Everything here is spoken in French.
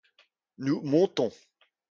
Nous montons.